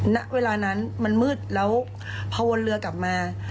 ณเวลานั้นมันมืดแล้วพอวนเรือกลับมา